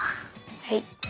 はい。